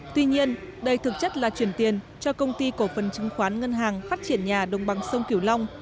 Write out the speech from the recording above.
tuy nhiên đây thực chất là chuyển tiền cho công ty cổ phần chứng khoán ngân hàng phát triển nhà đồng bằng sông kiểu long